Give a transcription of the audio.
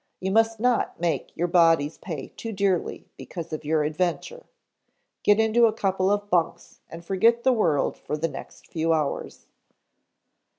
You must not make your bodies pay too dearly because of your adventure. Get into a couple of bunks and forget the world for the next few hours."